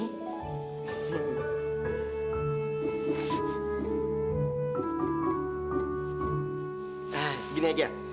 nah gini aja